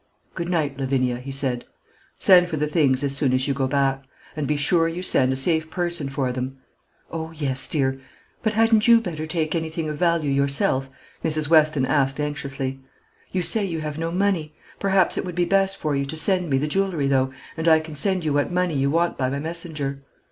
"Good night, Lavinia," he said. "Send for the things as soon as you go back; and be sure you send a safe person for them." "O yes, dear; but hadn't you better take any thing of value yourself?" Mrs. Weston asked anxiously. "You say you have no money. Perhaps it would be best for you to send me the jewellery, though, and I can send you what money you want by my messenger."